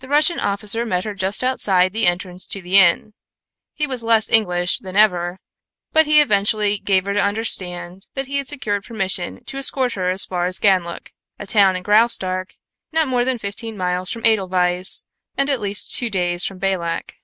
The Russian officer met her just outside the entrance to the inn. He was less English than ever, but he eventually gave her to understand that he had secured permission to escort her as far as Ganlook, a town in Graustark not more than fifteen miles from Edelweiss and at least two days from Balak.